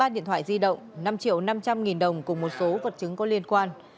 ba điện thoại di động năm triệu năm trăm linh nghìn đồng cùng một số vật chứng có liên quan